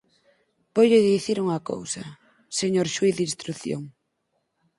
Voulle dicir unha cousa, señor xuíz de instrución.